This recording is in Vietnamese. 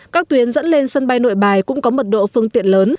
các tuyến dẫn lên sân bay nội bài cũng có mật độ phương tiện lớn